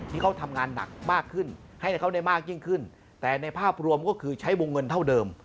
ที่เขาทำงานหนักมากขึ้นให้เขาได้มากยิ่งขึ้นแต่ในภาพรวมก็คือใช้วงเงินเท่าเดิม